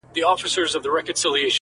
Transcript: هلته به پوه سې چي د میني اور دي وسوځوي٫